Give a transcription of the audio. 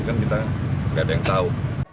kan kita nggak ada yang tahu